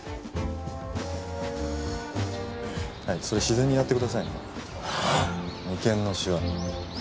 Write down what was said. それ自然にやってくださいね。